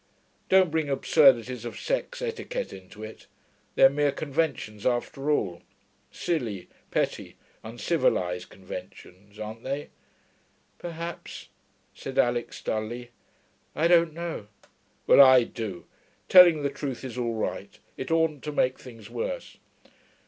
Don't bring absurdities of sex etiquette into it. They're mere conventions, after all; silly, petty, uncivilised conventions. Aren't they?' 'Perhaps,' said Alix dully. 'I don't know.' 'Well, I do. Telling the truth is all right. It oughtn't to make things worse.'